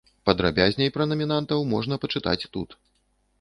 Падрабязней пра намінантаў можна пачытаць тут.